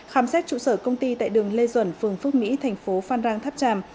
khám xét trụ sở công ty tại đường lê duẩn phường phước mỹ thành phố phan rang tháp tràm